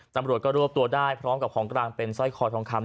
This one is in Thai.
ตำรวจก็รวบตัวได้พร้อมกับของกลางเป็นสร้อยคอทองคำ